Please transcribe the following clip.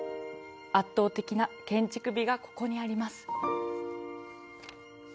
圧倒的な建築美がここにあります。